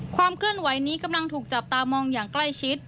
ความเคลื่อนไหวนี้กำลังถูกจับตามองอย่างใกล้ชิด